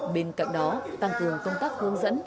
bên cạnh đó tăng cường công tác hướng dẫn